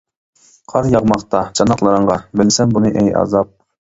قار ياغماقتا چاناقلىرىڭغا، بىلىسەن بۇنى ئەي ئازاب.